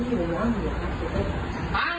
ผมไม่เคยดูเลยครับ